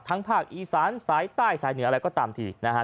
ทั้งภาคอีซานใส่ใต้ใส่เหนือหรืออะไรก็ตามทีนะฮะฮะ